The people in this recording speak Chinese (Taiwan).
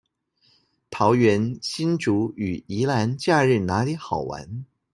桃園新竹與宜蘭假日哪裡好玩